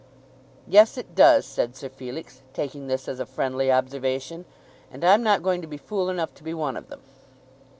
"Yes; it does," said Sir Felix, taking this as a friendly observation; "and I'm not going to be fool enough to be one of them."